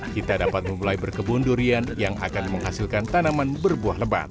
kita dapat memulai berkebun durian yang akan menghasilkan tanaman berbuah lebat